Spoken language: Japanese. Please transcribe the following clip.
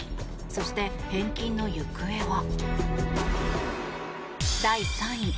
そして、返金の行方は？